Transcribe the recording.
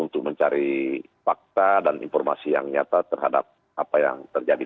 untuk mencari fakta dan informasi yang nyata terhadap apa yang terjadi